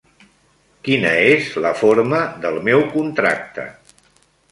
Quina és la forma del meu contracte?